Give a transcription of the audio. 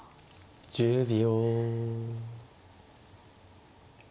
１０秒。